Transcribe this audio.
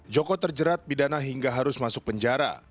joko terjerat bidana hingga harus masuk penjara